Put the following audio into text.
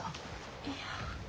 いや。